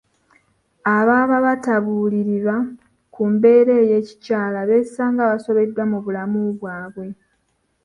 Ababa batabuulirirwa ku mbeera ey'ekikyala beesanga basobeddwa mu bulamu bwabwe.